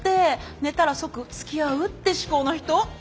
寝たら即つきあうって思考の人？